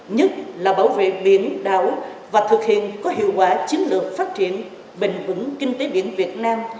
nhất là bảo vệ biển đảo và thực hiện có hiệu quả chiến lược phát triển bền vững kinh tế biển việt nam